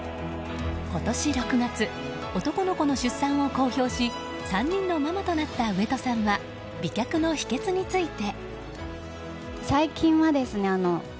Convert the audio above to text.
今年６月、男の子の出産を公表し３人のママとなった上戸さんは美脚の秘訣について。